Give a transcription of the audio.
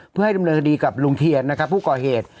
เพื่อให้ดำเนินคดีกับลุงเทียนนะครับผู้ก่อเหตุ